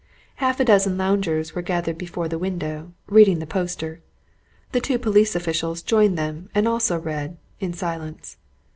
Half a dozen loungers were gathered before the window, reading the poster; the two police officials joined them and also read in silence.